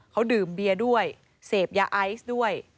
เขาดื่มเบียร์ด้วยเสพยาไอซ์ด้วย